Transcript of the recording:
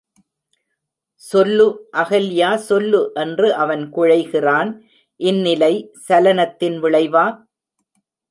சொல்லு, அகல்யாசொல்லு! என்று அவன் குழைகிறான் இந்நிலை சலனத்தின் விளைவா?